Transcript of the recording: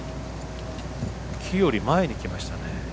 木より前に来ましたね。